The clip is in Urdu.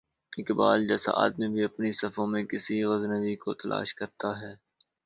اقبال جیسا آدمی بھی اپنی صفوں میں کسی غزنوی کو تلاش کرتا ہے۔